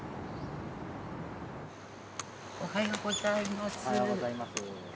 おはようございます。